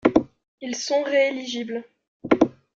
Ils sont rééligibles.